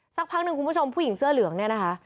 สักพักหนึ่งคุณผู้ชมผู้หญิงเสื้อเหลืองเนี่ยนะคะ